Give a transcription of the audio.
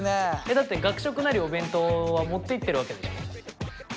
だって学食なりお弁当は持っていってるわけでしょ？